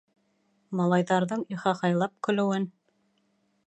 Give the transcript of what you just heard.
Малайҙарҙың ихахайлап көлөүен